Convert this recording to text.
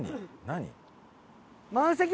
何？